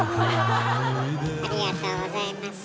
ありがとうございます。